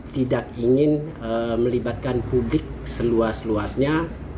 tidak ingin melibatkan publik seluas luasnya